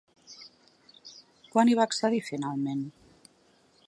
Quan hi va accedir finalment?